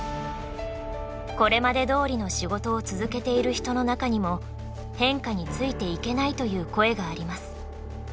これまでどおりの仕事を続けている人の中にも変化についていけないという声があります。